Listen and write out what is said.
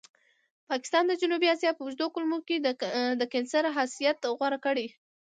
پاکستان د جنوبي اسیا په اوږدو کولمو کې د کېنسر حیثیت غوره کړی.